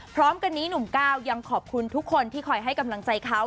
พร้อมกันนี้หนุ่มก้าวยังขอบคุณทุกคนที่คอยให้กำลังใจเขา